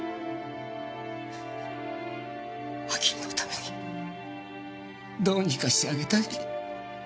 明恵のためにどうにかしてあげたい。